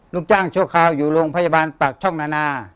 ลูกจ้างชั่วคราวอยู่โรงพยาบาลปากช่องนานา